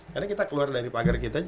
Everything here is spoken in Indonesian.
karena kita keluar dari pagar kita